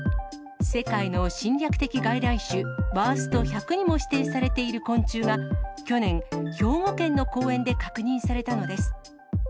世界の侵略的外来種ワースト１００にも指定されている昆虫が去年、兵庫県の公園で確認されたのです。